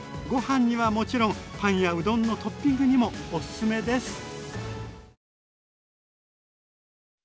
ご飯にはもちろんパンやうどんのトッピングにもおすすめです！